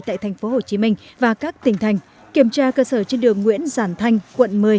tại tp hcm và các tỉnh thành kiểm tra cơ sở trên đường nguyễn giản thanh quận một mươi